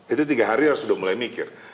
itu tiga hari harus sudah mulai mikir